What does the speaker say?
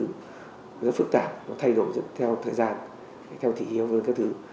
nó rất phức tạp nó thay đổi theo thời gian theo thị hiệu các thứ